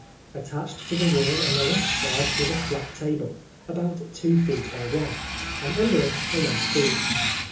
Attached to the wall on the left side was a flap table, about two feet by one, and under it a low stool.